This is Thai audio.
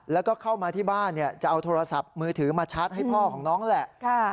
แล้วก็เข้ามาที่บ้านจะเอาโทรศัพท์มือถือมาชาร์จให้พ่อของน้องแหละ